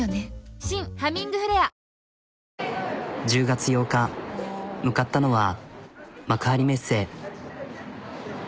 １０月８日向かったのは幕張メッセ。